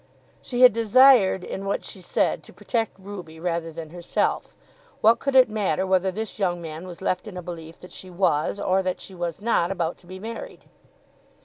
She had desired in what she said to protect Ruby rather than herself. What could it matter whether this young man was left in a belief that she was, or that she was not, about to be married?